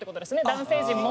男性陣も。